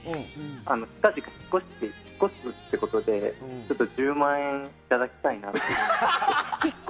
近々、引っ越すということで１０万円いただきたいなと。